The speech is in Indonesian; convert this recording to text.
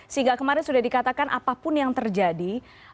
sehingga kemarin sudah dikatakan apapun yang terjadi